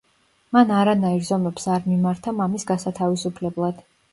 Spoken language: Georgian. მან არანაირ ზომებს არ მიმართა მამის გასათავისუფლებლად.